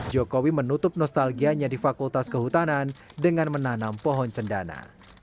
jokowi menutup nostalgianya di fakultas kehutanan dengan menanam pohon cendana